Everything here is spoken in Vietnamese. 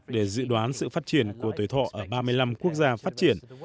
để dự đoán sự phát triển của tuổi thọ ở ba mươi năm quốc gia phát triển